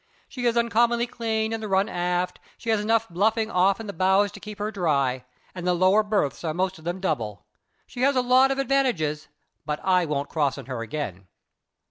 She is uncommonly clean in the run aft, she has enough bluffing off in the bows to keep her dry, and the lower berths are most of them double. She has a lot of advantages, but I won't cross in her again.